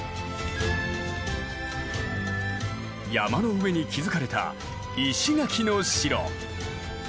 山の上に築かれた石垣の城。